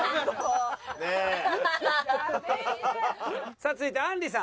さあ続いてあんりさん。